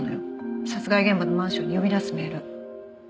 殺害現場のマンションに呼び出すメール。